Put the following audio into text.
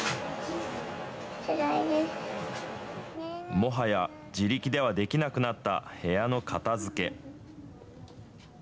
もはや自力ではできなくなった部屋の片づけ。